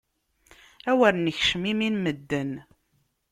Awer nekcem imi n medden!